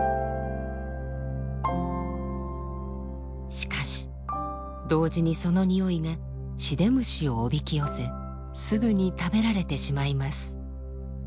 しかし同時にそのにおいがシデムシをおびき寄せすぐに食べられてしまいます。